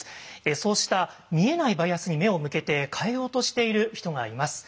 そうした見えないバイアスに目を向けて変えようとしている人がいます。